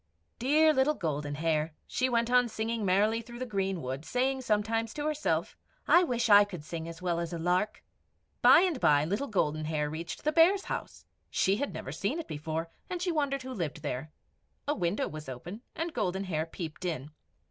Dear little Golden Hair, she went on singing merrily through the greenwood, saying sometimes to herself "I wish I could sing as well as the lark!" By and by Little Golden Hair reached the Bears' house. She had never seen it before, and she wondered who lived there. A window was open, and Golden Hair peeped in.